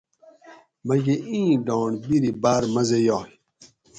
مکٞہ اِیں ڈانڑ بیری باٞر مزہ یاگ